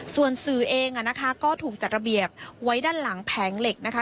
ส่วนสื่อเองนะคะก็ถูกจัดระเบียบไว้ด้านหลังแผงเหล็กนะคะ